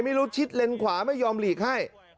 ไม่รู้ชิดเลนขวาไม่ยอมหลีกให้